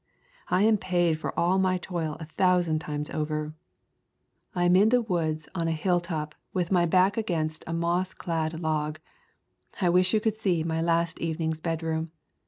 I am paid for all my toil a thousand times over. I am in the woods on a Jf [ xviii ] Introduction hilltop with my back against a moss clad log. I wish you could see my last evening's bed room.